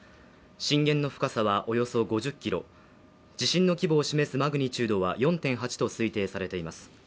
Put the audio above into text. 震源の深さはおよそ５０ｋｍ地震の規模を示すマグニチュードは４．８と推定されています。